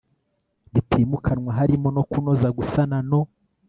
bitimukanwa harimo no kunoza gusana no